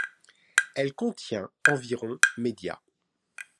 Elle contient environ média.